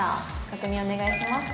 「確認お願いします」